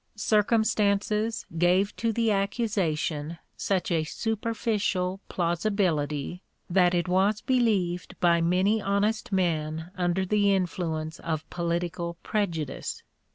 Circumstances gave to the accusation such a superficial plausibility that it was believed by many honest men under the influence of political prejudice.